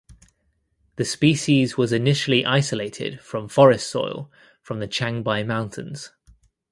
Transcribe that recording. The species was initially isolated from forest soil from the Changbai Mountains.